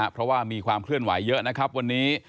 เพราะว่ามีความเคลื่อนไหวเยอะนะครับวันนี้